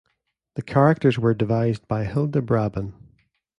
The characters were devised by Hilda Brabban.